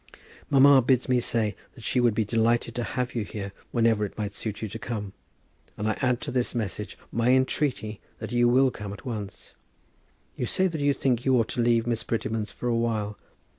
Mamma bids me say that she would be delighted to have you here whenever it might suit you to come; and I add to this message my entreaty that you will come at once. You say that you think you ought to leave Miss Prettyman's for a while.